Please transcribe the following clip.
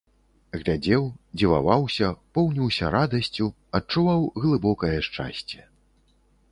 Глядзеў, дзіваваўся, поўніўся радасцю, адчуваў глыбокае шчасце.